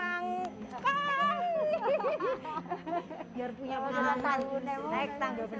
naik tangga berjalan